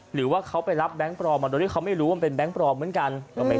หรือว่าเขาไปรับแบงค์ปลอมมาโดยที่เขาไม่รู้ว่ามันเป็นแก๊งปลอมเหมือนกัน